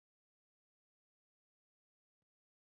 หลบไปดูหนังดีก่า